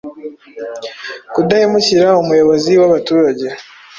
Kudahemukira umuyobozi wabaturage